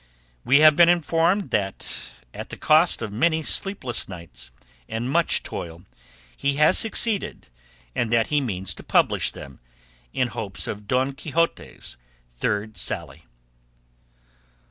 We have been informed that at the cost of many sleepless nights and much toil he has succeeded, and that he means to publish them in hopes of Don Quixote's third sally.